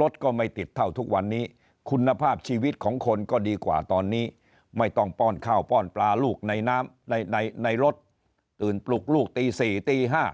รถก็ไม่ติดเท่าทุกวันนี้คุณภาพชีวิตของคนก็ดีกว่าตอนนี้ไม่ต้องป้อนข้าวป้อนปลาลูกในน้ำในรถตื่นปลุกลูกตี๔ตี๕